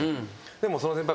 でもその先輩